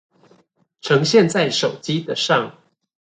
呈現在手機的上